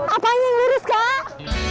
apa yang lurus kak